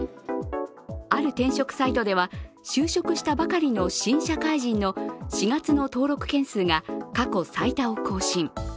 ある転職サイトでは、就職したばかりの新社会人の４月の登録件数が過去最多を更新。